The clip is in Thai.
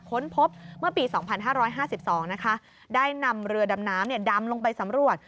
ค้นพบเมื่อปี๒๕๕๒นะคะได้นำเรือดำน้ำดำลงไปสำรวจ